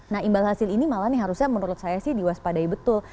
nah imbal hasil ini malah nih harusnya menurut saya sih diwaspadai betul